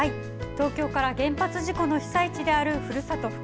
東京から原発事故の被災地であるふるさと